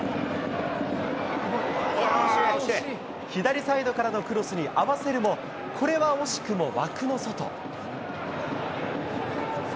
左サイドからのクロスに合わせるも、これは惜しくも枠の外。